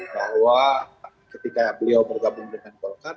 bahwa ketika beliau bergabung dengan golkar